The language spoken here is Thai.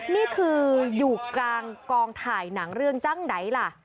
นี่คืออยู่กลางกองถ่ายหนังเรื่องจังไหนล่ะ